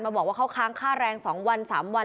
มาบอกว่าเขาค้างค่าแรงสองวันสามวัน